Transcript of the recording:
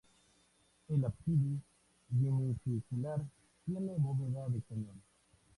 El ábside semicircular tiene bóveda de cañón.